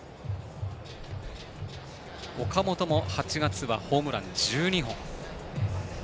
岡本も８月はホームラン１２本。